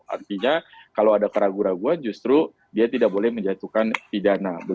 artinya kalau ada keraguan keraguan justru dia tidak boleh menjatuhkan pidana